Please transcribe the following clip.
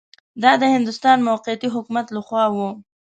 دا د هندوستان موقتي حکومت له خوا وه.